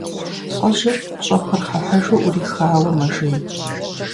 Лӏыжьыр щӀэпырхъыхьыжу Ӏурихауэ мэжей.